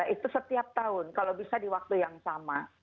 itu setiap tahun kalau bisa di waktu yang sama